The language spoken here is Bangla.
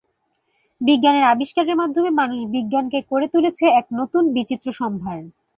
বিজ্ঞানের আবিষ্কারের মাধ্যমে মানুষ বিজ্ঞানকে করে তুলেছে এক নতুন বিচিত্র সম্ভার।